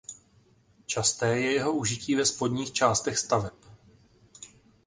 Časté je jeho užití ve spodních částech staveb.